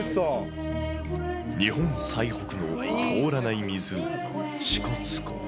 日本最北の凍らない湖、支笏湖。